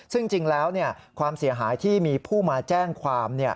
ซึ่งจริงแล้วความเสียหายที่มีผู้มาแจ้งความ